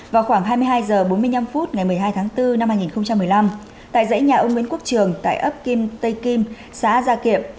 vào khoảng hai mươi hai h bốn mươi năm phút ngày một mươi hai tháng bốn năm hai nghìn một mươi năm tại dãy nhà ông nguyễn quốc trường tại ấp kim tây kim xã gia kiệm